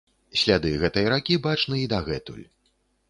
Сляды гэтай ракі бачны і дагэтуль.